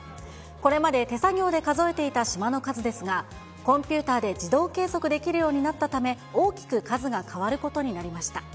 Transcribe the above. これまで手作業で数えていた島の数ですが、コンピューターで自動計測できるようになったため、大きく数が変わることになりました。